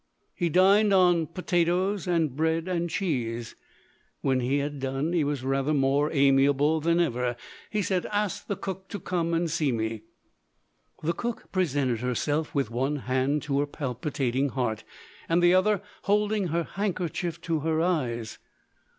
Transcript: He dined on potatoes, and bread and cheese. When he had done, he was rather more amiable than ever. He said, "Ask the cook to come and see me!" The cook presented herself, with one hand on her palpitating heart, and the other holding her handkerchief to her eyes.